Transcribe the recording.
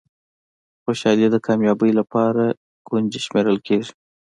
خوشالي د کامیابۍ لپاره کونجي شمېرل کېږي.